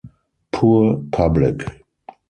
Poor public!